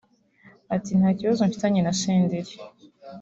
Ati Nta kibazo mfitanye naSenderi